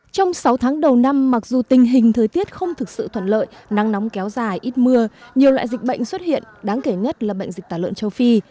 trong sáu tháng đầu năm mặc dù tình hình thời tiết không thực sự thuận lợi nắng nóng kéo dài ít mưa nhiều loại dịch bệnh xuất hiện đáng kể nhất là bệnh dịch tả lợn châu phi